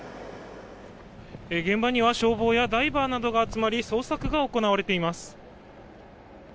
現場には消防やダイバーなどが集まり捜索が行われています。